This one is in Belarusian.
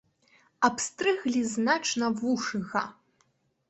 Абстрыглі значна вушы, га!